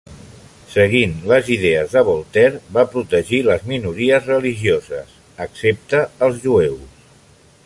Seguint les idees de Voltaire, va protegir les minories religioses, excepte els jueus.